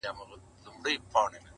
چي لیکلی چا غزل وي بې الهامه,